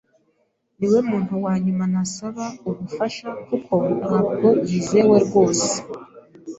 Niwe muntu wa nyuma nasaba ubufasha, kuko ntabwo yizewe rwose.